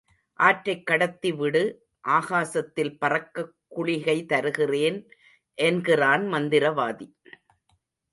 ஆற்றைக் கடத்தி விடு ஆகாசத்தில் பறக்கக் குளிகை தருகிறேன் என்கிறான் மந்திரவாதி.